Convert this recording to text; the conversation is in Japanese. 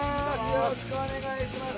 よろしくお願いします。